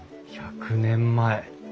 １００年前。